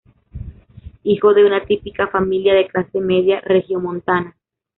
Hijo de una típica familia de clase media regiomontana.